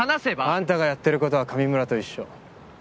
あんたがやってることは上村と一緒。